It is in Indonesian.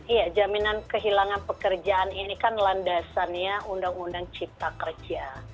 iya jaminan kehilangan pekerjaan ini kan landasannya undang undang cipta kerja